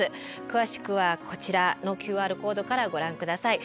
詳しくはこちらのＱＲコードからご覧下さい。